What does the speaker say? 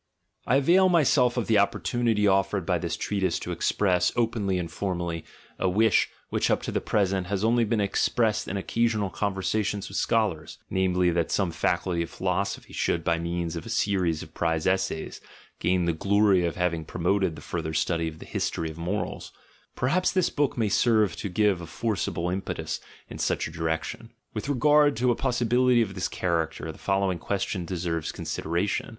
— I avail myself of the opportunity offered by this treatise to express, openly and formally, a wish which up to the present has only been expressed in occasional conversa tions with scholars, namely, that some Faculty of philosophy should, by means of a series of prize essays, gain the glory of having promoted the further study of the history of mor als — perhaps this book may serve to give a forcible impetus in such a direction. With regard to a possibility of this char acter, the following question deserves consideration.